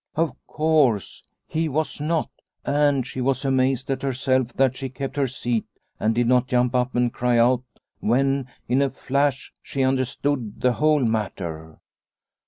Of course, he was not a She was amazed at herself that she kept her seat and did not jump up and cry out when, in a flash, she understood the whole matter.